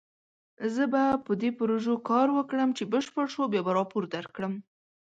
زه به په دې پروژه کار وکړم، چې بشپړ شو بیا به راپور درکړم